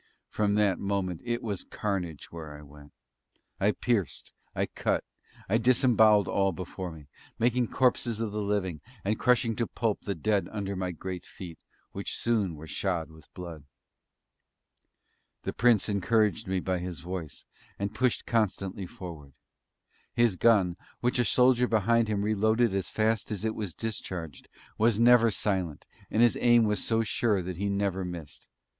From that moment it was carnage where I went. I pierced. I cut. I disembowelled all before me making corpses of the living, and crushing to pulp the dead under my great feet, which soon were shod with blood. The Prince encouraged me by his voice, and pushed constantly forward. His gun, which a soldier behind him reloaded as fast as it was discharged, was never silent, and his aim was so sure that he never missed.